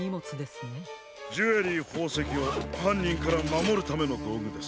ジュエリーほうせきをはんにんからまもるためのどうぐです。